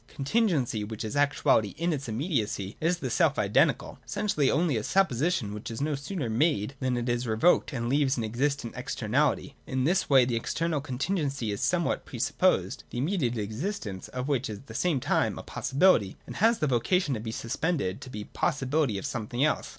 Con tingency, which is actuality in its immediacy, is the self identical, essentially only as a supposition which is no sooner made than it is revoked and leaves an existent externality. In this way, the external con tingency is something pre supposed, the immediate existence of which is at the same time a possibility, and has the vocation to be suspended, to be the pos 266 THE DOCTRINE OF ESSENCE. [146, 147. sibility of something else.